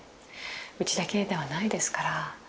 うちだけではないですから。